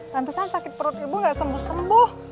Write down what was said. lantasan sakit perut ibu gak sembuh sembuh